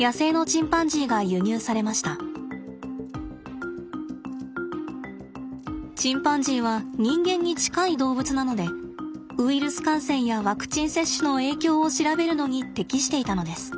チンパンジーは人間に近い動物なのでウイルス感染やワクチン接種の影響を調べるのに適していたのです。